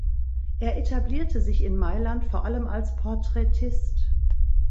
Er etablierte sich in Mailand vor allem als Porträtist.